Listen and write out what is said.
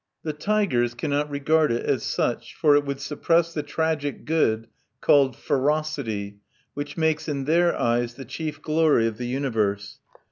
The tigers cannot regard it as such, for it would suppress the tragic good called ferocity, which makes, in their eyes, the chief glory of the universe.